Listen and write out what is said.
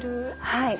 はい。